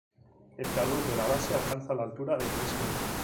El talud de la base alcanza la altura de tres metros.